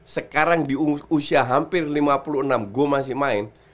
sekarang di usia hampir lima puluh enam go masih main